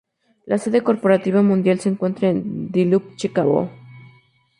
La sede corporativa mundial se encuentra en The Loop, Chicago.